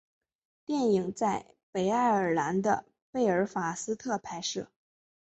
电影在北爱尔兰的贝尔法斯特拍摄。